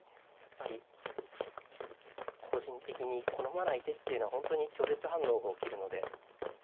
やっぱり個人的に好まない手っていうのは本当に拒絶反応が起きるので。